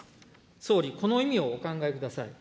総理、この意味をお考えください。